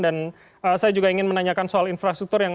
dan saya juga ingin menanyakan soal infrastruktur yang